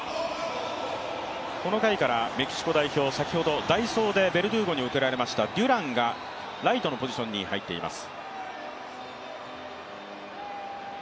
この回からメキシコ代表、先ほど代走でベルドゥーゴに送られましたデュランがライトのポジションに入っています。